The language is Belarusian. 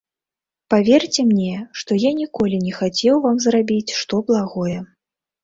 Паверце мне, што я ніколі не хацеў вам зрабіць што благое.